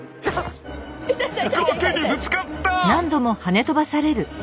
崖にぶつかった！